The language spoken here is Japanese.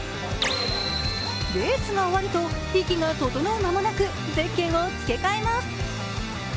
レースが終わると、息が整う間もなくゼッケンを付け替えます。